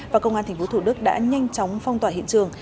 và công an tp thủ đức đã nhanh chóng phong tỏa hiện trường